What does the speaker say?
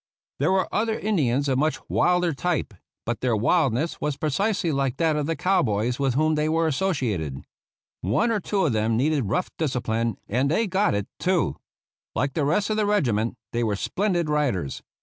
There were other Indians of much wilder typ<;, but their wildness was precisely like that of the cow boys with whom they were associated. One 23 THE ROUGH RIDERS Dr two of them needed rough discipline ; and they got it, too. Like the rest of the regiment, they were splendid riders.